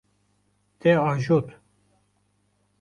Te ajot.